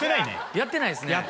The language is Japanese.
やってないっすね。